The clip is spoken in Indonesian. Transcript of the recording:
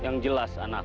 yang jelas anakku